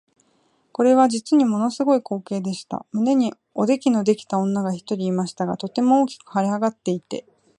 これは実にもの凄い光景でした。胸におできのできた女が一人いましたが、とても大きく脹れ上っていて、